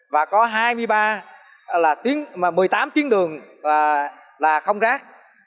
và có hai mươi ba là một mươi tám chuyến đường là không rác